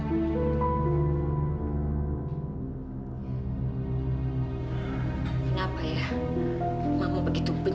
kenapa ya mama begitu